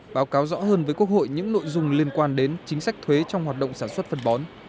báo cáo rõ hơn với quốc hội những nội dung liên quan đến chính sách thuế trong hoạt động sản xuất phân bón